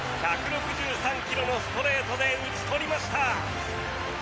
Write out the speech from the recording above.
１６３ｋｍのストレートで打ち取りました。